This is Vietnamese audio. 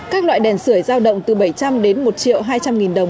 các loại đèn sởi giao động từ bảy trăm linh đến một triệu hai trăm linh đồng